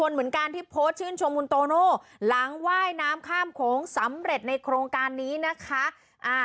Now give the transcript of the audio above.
เหมือนกันที่โพสต์ชื่นชมคุณโตโน่หลังว่ายน้ำข้ามโขงสำเร็จในโครงการนี้นะคะ